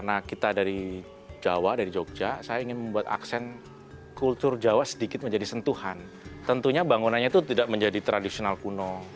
aksen kultur jawa sedikit menjadi sentuhan tentunya bangunannya itu tidak menjadi tradisional kuno